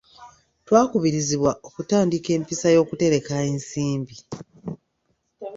Twakubirizibwa okutandika empisa y'okutereka ensimbi.